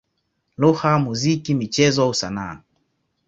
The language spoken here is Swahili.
lugha, muziki, michezo au sanaa.